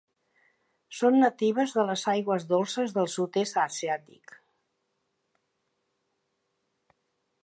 Són natives de les aigües dolces del sud-est asiàtic.